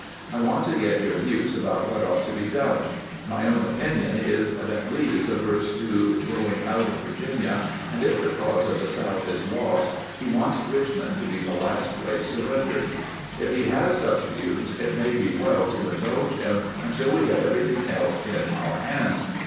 I want to get your views about what ought to be done. ... My SHERMAN EEACHES THE SEA COAST 361 own opinion is that Lee is averse to going out of Vir ginia, and if the cause of the South is lost, he wants Richmond to be the last place surrendered. If he has such views, it may be well to indulge him until we get everything else in our hands.